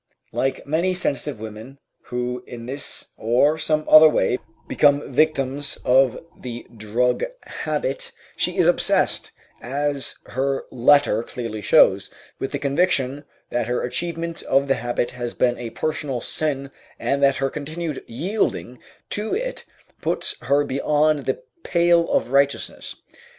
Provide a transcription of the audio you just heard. Like many sensitive women who in this or some other way become victims of the drug habit, she is obsessed, as her letter clearly shows, with the conviction that her achievement of the habit has been a personal sin, and that her continued yielding to it puts her beyond the pale of righteousness.